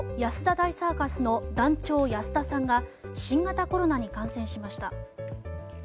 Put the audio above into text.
大サーカスの団長安田さんが新型コロナに感染しました。